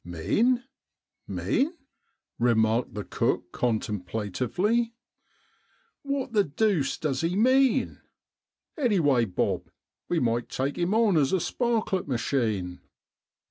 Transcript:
Mean," remarked the cook con templatively. " Wot the deuce does he mean ? Anyway, Bob, we might take 'im on as a sparklet machine."